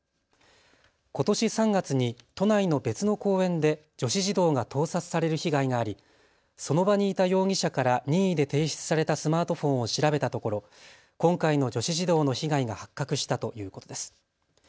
ことし３月に都内の別の公園で女子児童が盗撮される被害がありその場にいた容疑者から任意で提出されたスマートフォンを調べたところ、今回の女子児童の被害が発覚したということです。